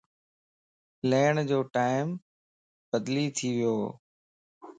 ليڻ جو ٽيم بدلي ٿي ويووَ